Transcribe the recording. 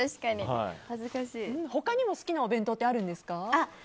他にも好きなお弁当はあるんですか？